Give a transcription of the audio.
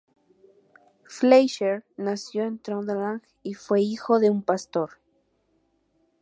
Fleischer nació en Trøndelag, y fue hijo de un pastor.